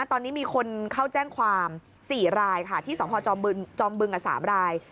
ตอนนี้มีคนเข้าแจ้งความ๔รายค่ะที่สพจอมบึง๓ราย